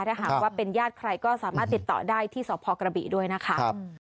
ถ้าหากว่าเป็นญาติใครก็สามารถติดต่อได้ที่สพกระบีด้วยนะคะ